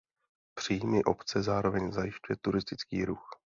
Příjmy obce zároveň zajišťuje turistický ruch.